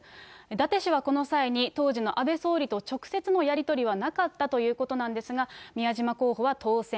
伊達氏はこの際に当時の安倍総理と直接のやり取りはなかったということなんですが、宮島候補は当選。